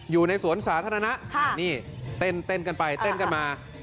อยู่ในสวนสาธารณะนี่เต้นกันไปเต้นกันมา